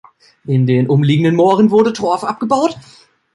In den umliegenden Mooren wurde Torf abgebaut.